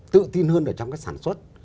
tự tin hơn ở trong cái sản xuất